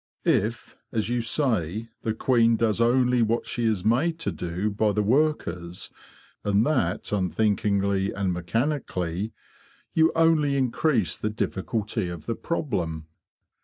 If, as you say, the queen does only what she is made to do by the workers, and that unthinkingly and mechanically, you only increase the difficulty of the problem."